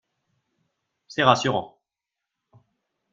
C’est rassurant